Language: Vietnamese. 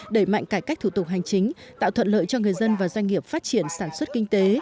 đẩy mạnh cải cách thủ tục hành chính tạo thuận lợi cho người dân và doanh nghiệp phát triển sản xuất kinh tế